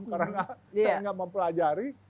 karena saya tidak mempelajari